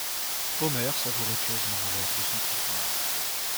Omer savourait pieusement l'heure de son pouvoir.